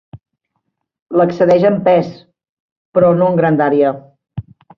L'excedeix en pes, però no en grandària.